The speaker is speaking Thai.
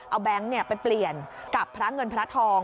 เอาแบงค์ไปเปลี่ยนกับพระเงินพระทอง